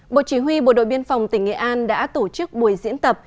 bộ chỉ huy bộ đội biên phòng tỉnh nghệ an đã tổ chức buổi diễn tập